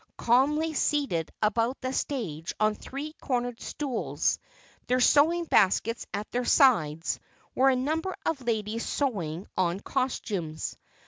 Calmly seated about the stage on three cornered stools, their sewing baskets at their sides, were a number of ladies sewing on costumes.